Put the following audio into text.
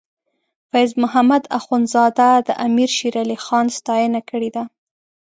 فیض محمد اخونزاده د امیر شیر علی خان ستاینه کړې ده.